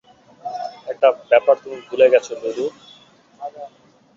একটা ব্যাপার তুমি ভুলে গেছো, লুলু।